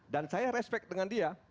dan saya respect dengan dia